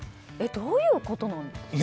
どういうことなんです？